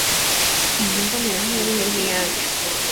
Iyi mbonerahamwe nini nkiyacu.